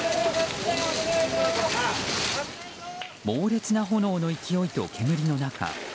猛烈な炎の勢いと煙の中